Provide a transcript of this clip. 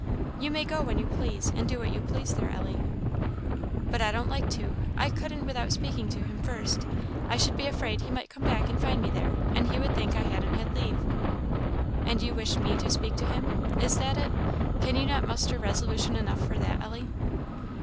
"You may go when you please, and do what you please there, Ellie." "But I don't like to I couldn't without speaking to him first; I should be afraid he might come back and find me there, and he would think I hadn't had leave." "And you wish me to speak to him is that it? Cannot you muster resolution enough for that, Ellie?"